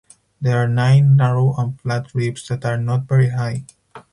There are nine narrow and flat ribs that are not very high.